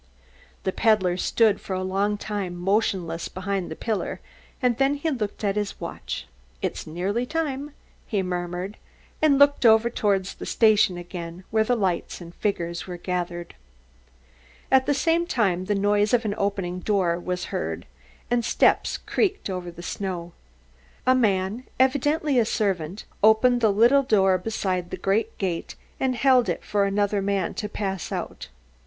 The peddler stood for a long time motionless behind the pillar, then he looked at his watch. "It's nearly time," he murmured, and looked over towards the station again, where lights and figures were gathering. At the same time the noise of an opening door was heard, and steps creaked over the snow. A man, evidently a servant, opened the little door beside the great gate and held it for another man to pass out.